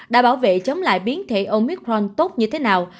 đã bảo vệ chống lại biến thể omicront tốt như thế nào